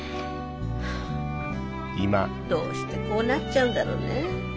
どうしてこうなっちゃうんだろうねえ。